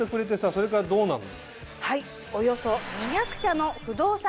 それからどうなんの？